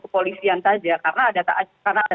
kepolisian saja karena ada